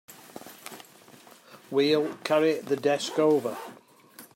We'll carry the desk over.